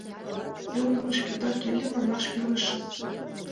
Илымешкетак иле, манаш кӱлешыс.